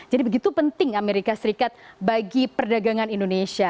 jadi begitu penting amerika serikat bagi perdagangan indonesia